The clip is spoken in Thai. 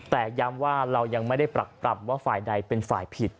แต่ย้ำว่าเรายังไม่ได้ปรักปรำว่าฝ่ายใดเป็นฝ่ายผิด